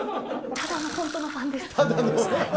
ただの本当のファンです。